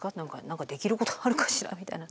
何かできることはあるかしらみたいな。